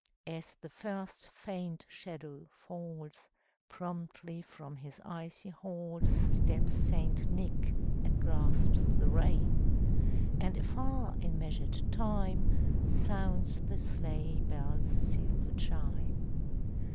As the first faint shadow falls, Promptly from his icy halls Steps St. Nick, and grasps the rein: And afar, in measured time, Sounds the sleigh bells' silver chime.